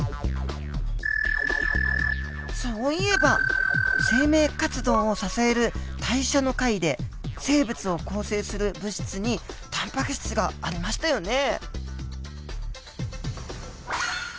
そういえば生命活動を支える代謝の回で生物を構成する物質にタンパク質がありましたよね？